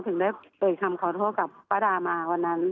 ถึงได้เอ่ยคำขอโทษกับป้าดามาวันนั้น